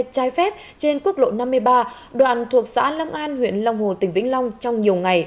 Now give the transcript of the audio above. trái phép trên quốc lộ năm mươi ba đoạn thuộc xã long an huyện long hồ tỉnh vĩnh long trong nhiều ngày